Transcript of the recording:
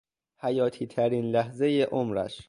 حیاتیترین لحظهی عمرش